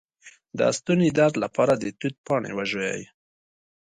د ستوني درد لپاره د توت پاڼې وژويئ